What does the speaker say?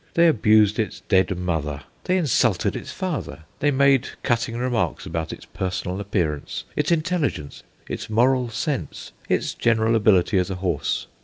They abused its dead mother, they insulted its father; they made cutting remarks about its personal appearance, its intelligence, its moral sense, its general ability as a horse.